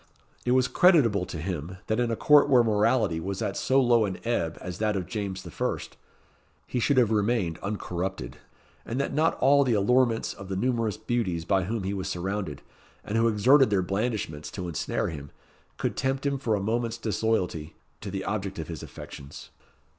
It was creditable to him, that in a court where morality was at so low an ebb as that of James I., he should have remained uncorrupted; and that not all the allurements of the numerous beauties by whom he was surrounded, and who exerted their blandishments to ensnare him, could tempt him for a moment's disloyalty to the object of his affections.